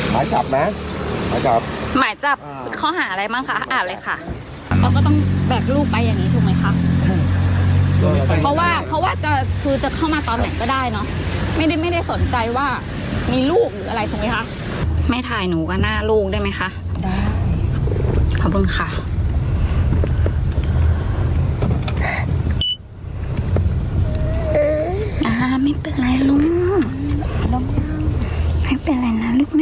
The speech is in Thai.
บรรดาไม่เป็นไรลูกไม่เป็นไรนะลูกเนี่ย